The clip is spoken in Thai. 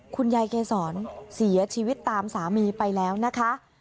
เกษรเสียชีวิตตามสามีไปแล้วนะคะ